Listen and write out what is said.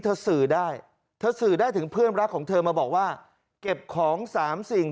เธอสื่อได้ถึงเพื่อนรักของเธอมาบอกว่าเก็บของ๓สิ่ง